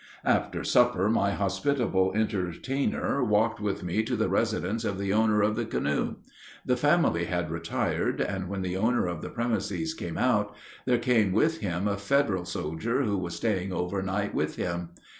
After supper my hospitable entertainer walked with me to the residence of the owner of the canoe. The family had retired, and when the owner of the premises came out, there came with him a Federal soldier who was staying overnight with him.